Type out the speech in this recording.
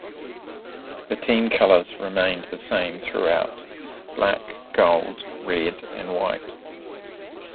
The team colours remained the same throughout; black, gold, red and white.